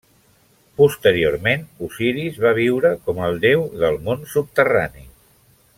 Posteriorment Osiris va viure com el déu del món subterrani.